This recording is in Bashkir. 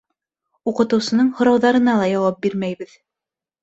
Уҡытыусының һорауҙарына ла яуап бирмәйбеҙ.